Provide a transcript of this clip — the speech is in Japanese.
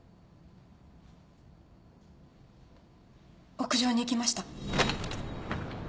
屋上に行きました。